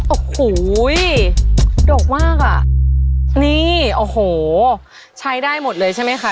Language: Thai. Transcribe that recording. โอ้โหดกมากอ่ะนี่โอ้โหใช้ได้หมดเลยใช่ไหมคะ